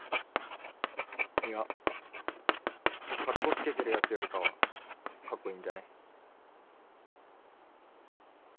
いやカッコつけてるヤツよりかはカッコいいんじゃね？